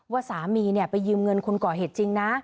ว่าสามีไปยืมเงินคนก่อเหตุจริงนะ